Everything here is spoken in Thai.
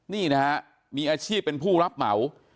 นี่นะฮะมีอาชีพเป็นผู้รับเหมา